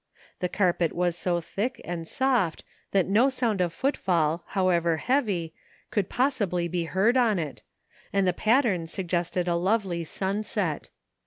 The carpet was so thick and soft that no sound of footfall, however heavy, could possibly be heard on it, and the pattern suggested a lovely sunset.